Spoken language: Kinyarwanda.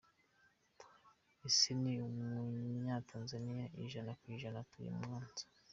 Ise ni umunyatanzaniya ijana ku ijana atuye Mwanza.